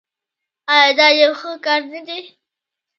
آیا دا یو ښه کار نه دی؟